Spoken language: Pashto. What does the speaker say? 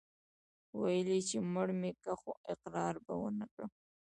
ويل يې چې مړ مې که خو اقرار به ونه کم.